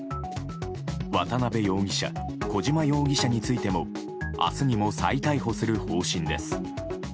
渡辺容疑者小島容疑者についても明日にも再逮捕する方針です。